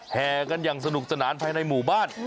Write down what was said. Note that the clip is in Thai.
แห่กันอย่างสนุกสนานภายในหมู่บ้าน